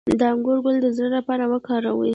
د انګور ګل د زړه لپاره وکاروئ